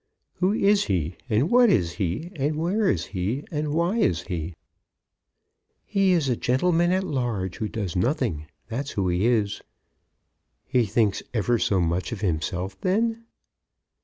"Who is he, and what is he, and where is he, and why is he?" "He's a gentleman at large who does nothing. That's who he is." "He thinks ever so much of himself, then?"